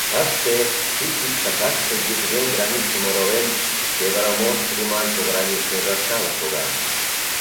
Тыште, ик кӱкшакаште, йӱдвел границым оролен, «Североморск» лӱман пограничный заставе шога.